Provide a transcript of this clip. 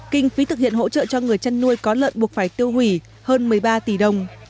kinh phí thực hiện hỗ trợ cho người chăn nuôi có lợn buộc phải tiêu hủy hơn một mươi ba tỷ đồng